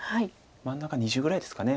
真ん中２０ぐらいですかね。